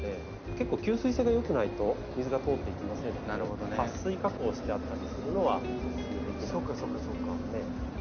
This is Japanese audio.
結構吸水性が良くないと水が通っていきませんのではっ水加工してあったりするのはおすすめできないですね。